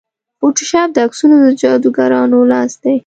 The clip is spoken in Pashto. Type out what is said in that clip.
فوټوشاپ د عکسونو د جادوګرانو لاس دی.